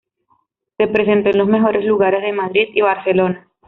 Se presentó en los mejores lugares de Madrid y Barcelona.